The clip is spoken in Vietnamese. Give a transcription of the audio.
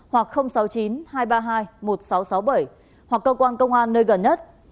hoặc sáu mươi chín hai trăm ba mươi hai một nghìn sáu trăm sáu mươi bảy hoặc cơ quan công an nơi gần nhất